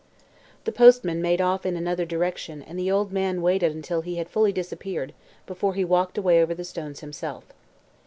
The postman made off in another direction and the old man waited until he had fully disappeared before he walked away over the stones himself.